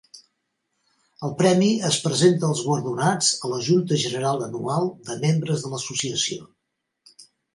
El premi es presenta als guardonats a la junta general anual de membres de l'associació.